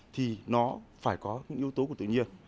thì nó phải có những yếu tố của tự nhiên